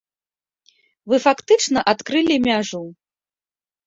Вы фактычна адкрылі мяжу.